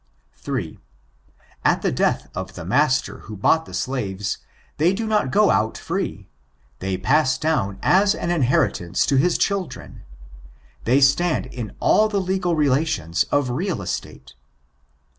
3. At the death of the master who bought the slaves, they do not go out free — they pass down as an inheritance to his f^^k^a^ ' I I I 624 8T&IGTUBE8 children: they stand in all the legal relations of real estate.